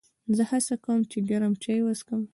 زه هڅه کوم چې ګرم چای وڅښم.